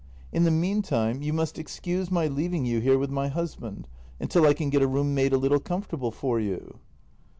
In the meantime, you must excuse my leaving you here with my husband, until I can get a room made a little comfortable for you.